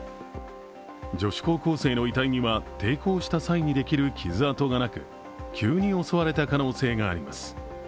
女子高校生の遺体には抵抗した際にできる傷跡がなく急に襲われた可能性があります。